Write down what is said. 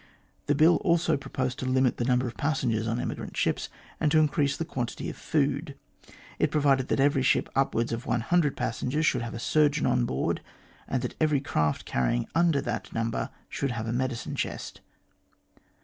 The Bill also pro posed to limit the number of passengers on emigrant ships, and to increase the quantity of the food. It provided that every ship carrying upwards of one hundred passengers should have a surgeon on board, and that every craft carry ing under that number should have a medicine chest.